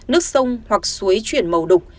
nước sông hoặc suối chuyển màu đục